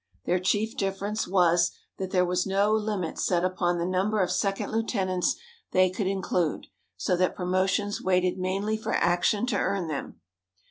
Their chief difference was that there was no limit set upon the number of second lieutenants they could include, so that promotions waited mainly for action to earn them.